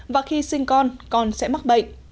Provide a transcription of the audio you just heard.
và khi sinh con con sẽ mắc bệnh